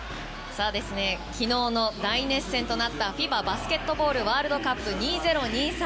昨日の大熱戦となったＦＩＢＡバスケットボールワールドカップ２０２３